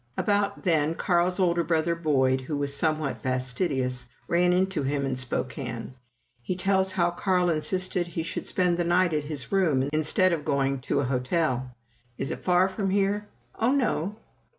About then Carl's older brother, Boyd, who was somewhat fastidious, ran into him in Spokane. He tells how Carl insisted he should spend the night at his room instead of going to a hotel. "Is it far from here?" "Oh, no!"